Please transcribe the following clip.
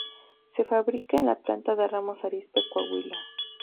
Se fabrica en la Planta de Ramos Arizpe, Coahuila.